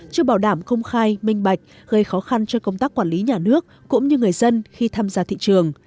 chưa bảo đảm công khai minh bạch gây khó khăn cho công tác quản lý nhà nước cũng như người dân khi tham gia thị trường